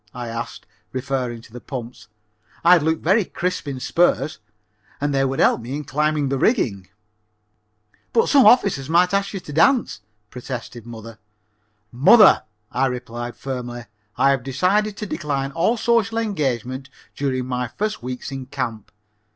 I asked, referring to the pumps. "I'd look very crisp in spurs, and they would help me in climbing the rigging." "But some officer might ask you to a dance," protested mother. "Mother," I replied firmly, "I have decided to decline all social engagements during my first few weeks in camp.